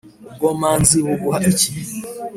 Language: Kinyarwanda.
ubwomanzi buguha iki?